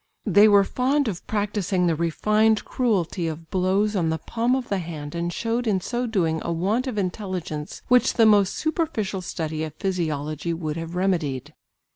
They were fond of practising the refined cruelty of blows on the palm of the hand and showed in so doing a want of intelligence which the most superficial study of physiology would have remedied.